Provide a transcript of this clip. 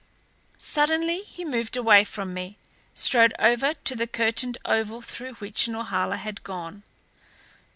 Suddenly he moved away from me, strode over to the curtained oval through which Norhala had gone.